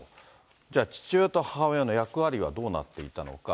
じゃあ、父親と母親の役割はどうなっていたのか。